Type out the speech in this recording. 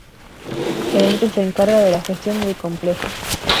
El ente se encarga de la gestión del complejo.